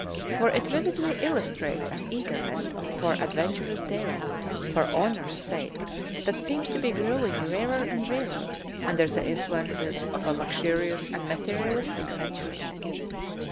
For it vividly illustrates an eagerness for adventurous daring for honor's sake that seems to be growing rarer and rarer under the influences of a luxurious and material istic centur}'.